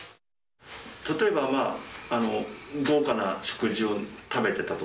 例えば、豪華な食事を食べてたとか？